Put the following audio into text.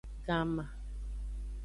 Ganma.